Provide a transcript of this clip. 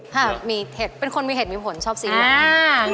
ครับเป็นคนมีเหตุมีผลชอบสีเหลือง